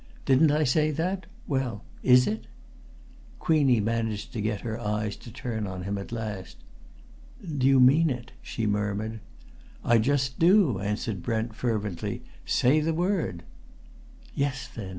Didn't I say that? Well, is it?" Queenie managed to get her eyes to turn on him at last. "Do you mean it?" she murmured. "I just do!" answered Brent fervently. "Say the word!" "Yes, then!"